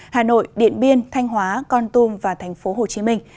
hà nội điện biên thanh hóa con tum và thành phố hồ chí minh